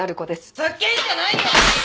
ふざけんじゃないよ！